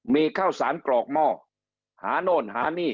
มีข้าวสารกรอกหม้อ